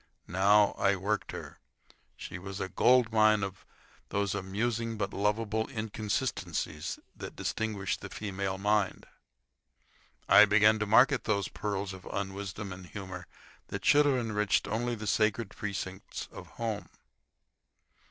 Now I worked her. She was a gold mine of those amusing but lovable inconsistencies that distinguish the female mind. I began to market those pearls of unwisdom and humor that should have enriched only the sacred precincts of home.